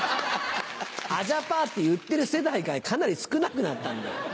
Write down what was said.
アジャパーって言ってる世代がかなり少なくなったんで。